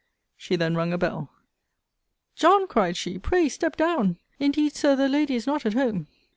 She then rung a bell: John, cried she, pray step down! Indeed, Sir, the lady is not at home.